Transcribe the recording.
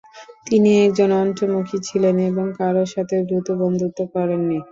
তিনি একজন অন্তর্মুখী ছিলেন এবং কারও সাথে দ্রুত বন্ধুত্ব করেননি।